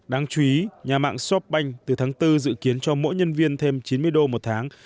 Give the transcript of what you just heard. đáng chú ý nhà mạng shop banh từ tháng bốn dự kiến cho mỗi nhân viên thêm chín mươi đô một tháng